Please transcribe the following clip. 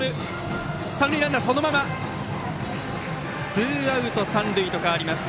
ツーアウト、三塁と変わります。